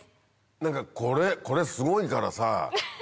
何かこれこれすごいからさ